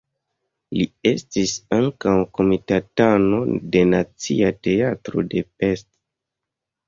Li estis ankaŭ komitatano de Nacia Teatro de Pest.